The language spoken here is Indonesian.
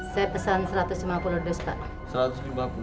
saya pesan satu ratus lima puluh dus pak